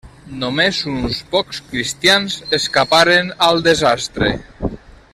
Només uns pocs cristians escaparen al desastre.